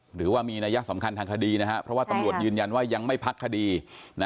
หรือว่ามีนัยสำคัญทางคดีนะครับเพราะว่าตำรวจยืนยันว่ายังไม่พักคดี